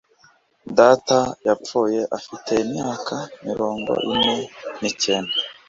Data yapfuye afite imyaka mirongo ine n'icyenda.